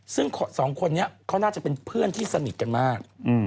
ซึ่งสองคนนี้เขาน่าจะเป็นเพื่อนที่สนิทกันมาก